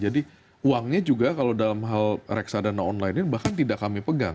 uangnya juga kalau dalam hal reksadana online ini bahkan tidak kami pegang